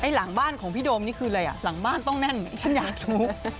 หลังบ้านของพี่โดมนี่คืออะไรอ่ะหลังบ้านต้องแน่นฉันอยากรู้